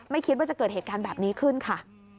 คิดว่าจะเกิดเหตุการณ์แบบนี้ขึ้นค่ะ